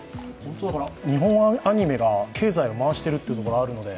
日本アニメが経済を回しているというところがあるので、